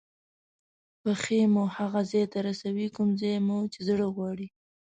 پښې مو هغه ځای ته رسوي کوم ځای مو چې زړه غواړي.